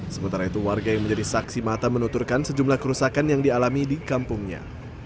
sementara itu warga yang menjadi saksi mata menuturkan sejumlah kerusakan yang dialami di kampungnya